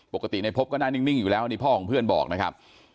ปกติในพบก็น่านิ่งอยู่แล้วนี่พ่อของเพื่อนบอกนะครับ